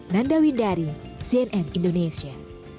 nanda windari znn indonesia